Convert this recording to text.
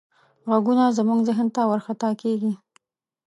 غږونه زموږ ذهن ته ورخطا کېږي.